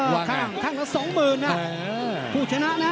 โดยใช้ด้วยเหลือผู้ชนะ